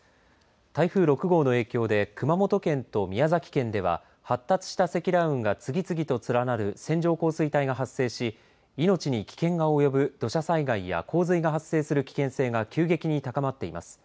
台風６号の影響で熊本県と宮崎県では発達した積乱雲が次々と連なる線状降水帯が発生し命に危険が及ぶ土砂災害や洪水が発生する危険性が急激に高まっています。